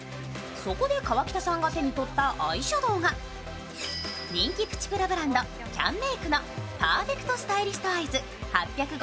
そこで河北さんが手に取ったアイシャドウが人気プチプラブランド、キャンメイクのパーフェクトスタイリストアイズ。